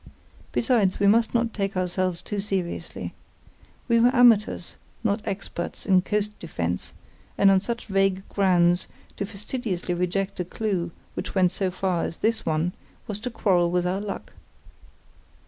Besides, we must not take ourselves too seriously. We were amateurs, not experts in coast defence, and on such vague grounds to fastidiously reject a clue which went so far as this one was to quarrel with our luck.